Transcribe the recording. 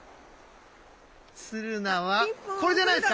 ツルナはこれじゃないですか？